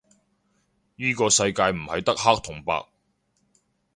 依個世界唔係得黑同白